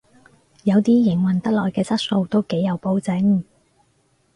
有啲營運得耐嘅質素都幾有保證